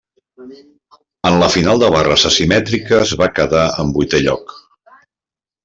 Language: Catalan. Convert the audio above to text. En la final de barres asimètriques va quedar en vuitè lloc.